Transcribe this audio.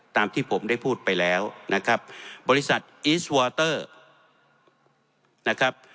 ตามที่ผมได้พูดไปแล้วนะครับบริษัทนะครับ